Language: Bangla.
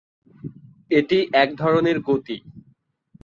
এটি এক ধরনের গতি।